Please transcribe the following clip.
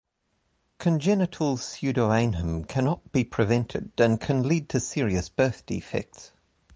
Congenital pseudoainhum cannot be prevented and can lead to serious birth defects.